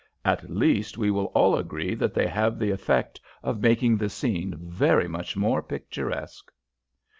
"At least we will all agree that they have the effect of making the scene very much more picturesque."